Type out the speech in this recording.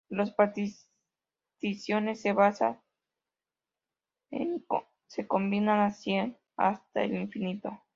Las particiones de bases se combinan así hasta el infinito.